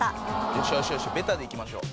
よしよしよしベタでいきましょう。